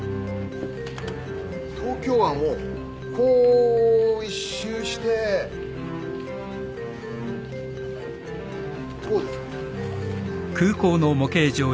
東京湾をこう１周してこうですね。